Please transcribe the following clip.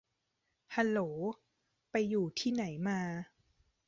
ฮัลโหล ไปอยู่ที่ไหนมา